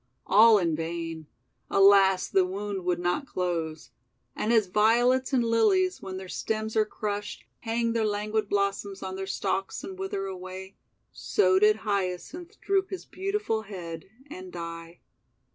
All in vain! Alas! the wound would not close. And as Violets and Lilies, when their stems are crushed, hang their languid blossoms on their stalks and wither away, so did Hyacinth droop his beautiful head and die.